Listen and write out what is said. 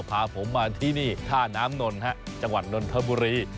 พาผมมาที่นี่ท่าน้ำนนฮะจังหวัดนนทบุรี